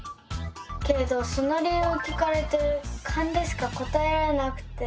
けれどその理由を聞かれてカンでしか答えられなくて。